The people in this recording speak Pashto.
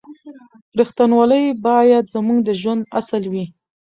رښتینولي باید زموږ د ژوند اصل وي.